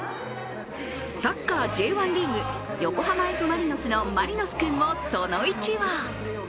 サッカーＪ１リーグ、横浜Ｆ・マリノスのマリノス君も、その１羽。